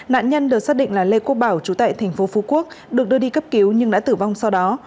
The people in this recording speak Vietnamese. nạn nhân được xác định là lê quốc bảo chú tại tp phú quốc được đưa đi cấp cứu nhưng đã tử vong sau đó